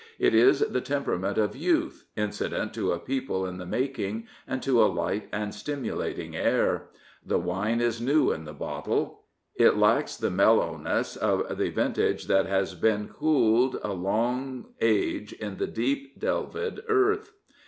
It is the temperament of youth, incident to a people in the making and to a light and stimulating air. The wine is new in the bottle. It lacks the mellowness of the ... vintage that has be^n Cooled a long age in the deep delved earth.